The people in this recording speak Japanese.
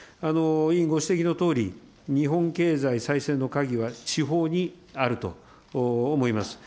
委員ご指摘のとおり、日本経済再生の鍵は地方にあると思います。